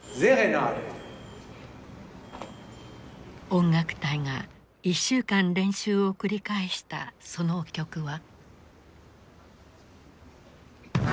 音楽隊が１週間練習を繰り返したその曲は。